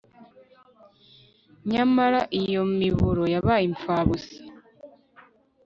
nyamara iyo miburo yabaye impfabusa